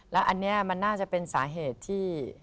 แล้วอันนี้มันน่าจะเป็นสาเหตุที่